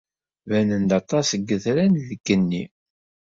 Banen-d aṭas n yitran deg yigenni.